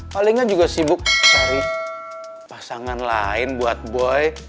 palingnya juga sibuk cari pasangan lain buat boy